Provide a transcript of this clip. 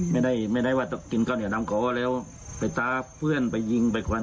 ไม่ได้ไม่ได้ว่ากินข้าวเหนียวนำขอแล้วไปท้าเพื่อนไปยิงไปควัน